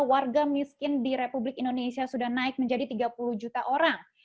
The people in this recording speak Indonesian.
warga miskin di republik indonesia sudah naik menjadi tiga puluh juta orang